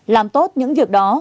làm tốt những việc đó